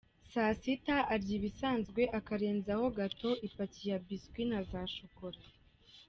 Saa sita arya bisanzwe akarenzaho gateau, ipaki ya biscuits na za shokola.